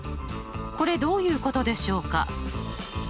これどういうことでしょうか？